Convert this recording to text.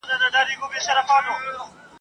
چي سیالان یې له هیبته پر سجده سي !.